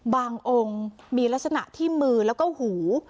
องค์มีลักษณะที่มือแล้วก็หู